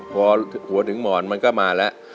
พอหัวถึงหมอนมันก็มาแล้ว